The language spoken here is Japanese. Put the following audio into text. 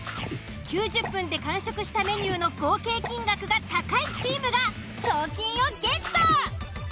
９０分で完食したメニューの合計金額が高いチームが賞金をゲット。